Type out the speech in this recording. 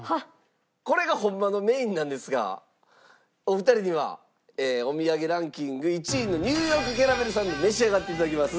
これがホンマのメインなんですがお二人にはお土産ランキング１位のＮ．Ｙ．キャラメルサンド召し上がって頂きます。